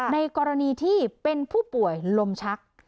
ในกรณีที่เป็นผู้ป่วยลมชัก